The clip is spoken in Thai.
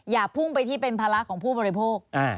อย่าพุ่งไปที่เป็นภาระของผู้บริโภค